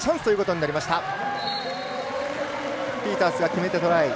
ピータースが決めてトライ。